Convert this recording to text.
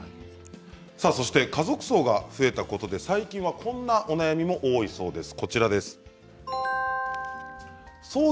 そして家族葬が増えたことで最近はこんなお悩みも多いそうです。